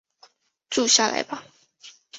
住下来吧